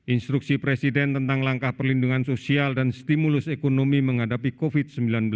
instruksi presiden tentang langkah perlindungan sosial dan stimulus ekonomi menghadapi covid sembilan belas